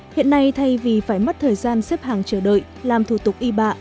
hiện nay thay vì phải mất thời gian xếp hàng chờ đợi làm thủ tục y bạ